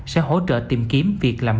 sẽ hỗ trợ tìm kiếm việc làm mới